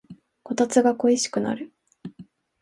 こたつが恋しくなる